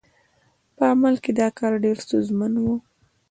په عمل کې دا کار ډېر ستونزمن و.